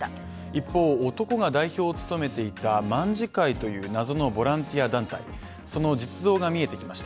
一方男が代表を務めていた卍会という謎のボランティア団体です。